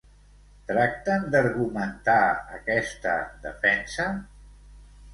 Tracten d'argumentar aquesta defensa?